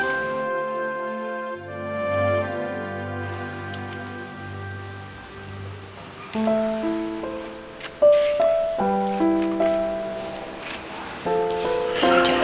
oh jangan lupa mas yanto